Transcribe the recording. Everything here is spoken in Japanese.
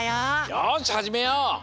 よしはじめよう！